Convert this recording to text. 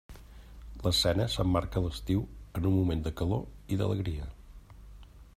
L’escena s’emmarca a l’estiu, en un moment de calor i d’alegria.